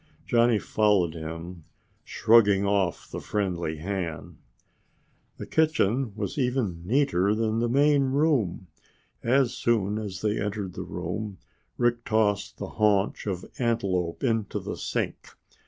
Johnny followed him, shrugging off the friendly hand. The kitchen was even neater than the main room. As soon as they entered the room, Rick tossed the haunch of antelope into the sink.